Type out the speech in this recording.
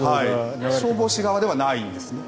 消防士側ではないんですね。